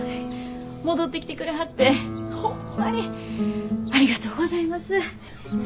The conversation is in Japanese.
戻ってきてくれはってホンマにありがとうございます。